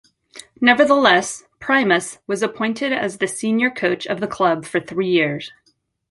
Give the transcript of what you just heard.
Nevertheless, Primus was appointed as the senior coach of the club for three years.